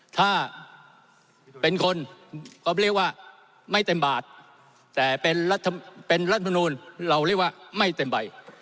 ถ้าเป็นคนก็เรียกว่าไม่เต็มบาทแต่เป็นรัฐมนูลเราเรียกว่าไม่เต็มใบ